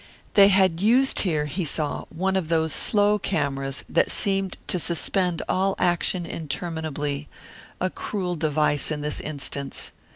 They had used here, he saw, one of those slow cameras that seem to suspend all action interminably, a cruel device in this instance.